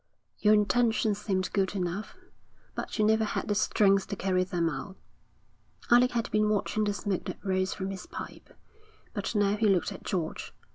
Your intentions seemed good enough, but you never had the strength to carry them out.' Alec had been watching the smoke that rose from his pipe, but now he looked at George.